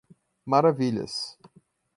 Maravilhas